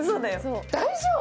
大丈夫？